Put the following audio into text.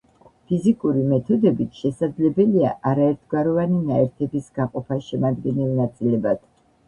ფიზიკური მეთოდებით შესაძლებელია არაერთგვაროვანი ნაერთების გაყოფა შემადგენელ ნაწილებად.